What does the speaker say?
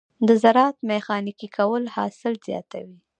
د زراعت ميخانیکي کول حاصل زیاتوي.